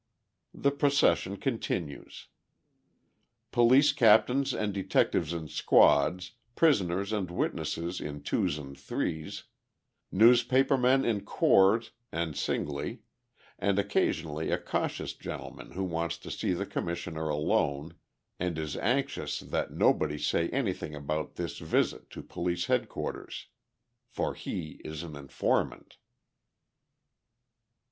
The procession continues. Police captains and detectives in squads, prisoners and witnesses in twos and threes, newspaper men in corps and singly, and occasionally a cautious gentleman who wants to see the Commissioner alone, and is anxious that nobody say anything about this visit to Police Headquarters—for he is an informant.